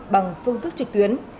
bằng phương thức trực tuyến